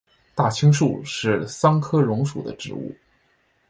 大青树是桑科榕属的植物。